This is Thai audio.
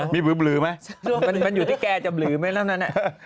มีบลื้อบลื้อไหมมันอยู่ที่แกจะบลื้อไหมนั่น